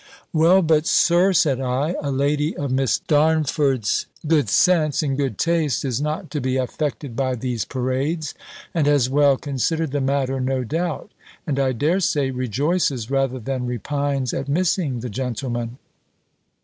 "Well, but, Sir," said I, "a lady of Miss Darnford's good sense, and good taste, is not to be affected by these parades, and has well considered the matter, no doubt; and I dare say, rejoices, rather than repines, at missing the gentleman."